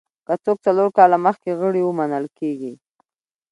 که څوک څلور کاله مخکې غړي وو منل کېږي.